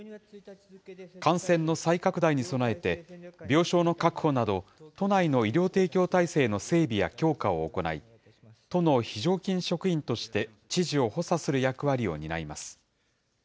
感染の再拡大に備えて、病床の確保など、都内の医療提供体制の整備や強化を行い、都の非常勤職員として知事を補佐する役割を担います。